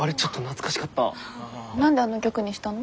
何であの曲にしたの？